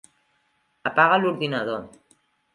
Apaga l'ordinador.